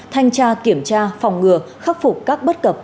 thanh tra kiểm tra phòng ngừa khắc phục các bất cập